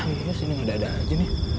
iya sih neng ada ada aja nih